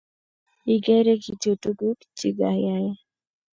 Igeere kityo tuguk chigayei